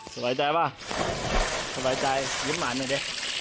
สบายใจป่ะสบายใจยิ้มหวานหน่อยดิ